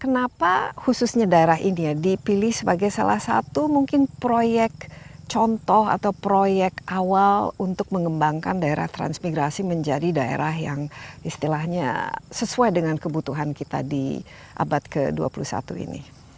kenapa khususnya daerah ini ya dipilih sebagai salah satu mungkin proyek contoh atau proyek awal untuk mengembangkan daerah transmigrasi menjadi daerah yang istilahnya sesuai dengan kebutuhan kita di abad ke dua puluh satu ini